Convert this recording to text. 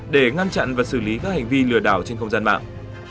để ngăn chặn và xử lý các hành vi lừa đảo trên không gian mạng